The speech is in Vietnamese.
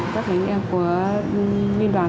các anh em của nguyên đoàn